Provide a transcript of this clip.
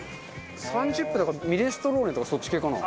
３０分だからミネストローネとかそっち系かな？